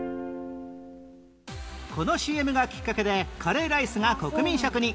この ＣＭ がきっかけでカレーライスが国民食に